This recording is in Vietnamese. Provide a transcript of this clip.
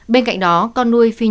bên cạnh đó con nuôi phi nhung